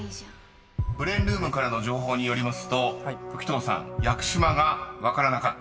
［ブレーンルームからの情報によりますと時任さん「屋久島」が分からなかった？］